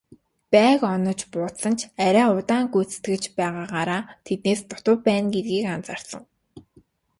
Байг онож буудсан ч арай удаан гүйцэтгэж байгаагаараа тэднээс дутуу байна гэдгийг анзаарсан.